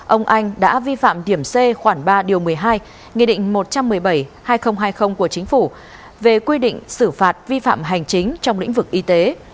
ông anh đã vi phạm điểm c khoảng ba điều một mươi hai nghị định một trăm một mươi bảy hai nghìn hai mươi của chính phủ về quy định xử phạt vi phạm hành chính trong lĩnh vực y tế